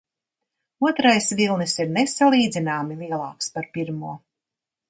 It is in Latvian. Otrais vilnis ir nesalīdzināmi lielāks par pirmo.